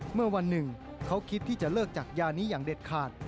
เมื่อวันหนึ่งเขาคิดที่จะเลิกจากยานี้อย่างเด็ดขาด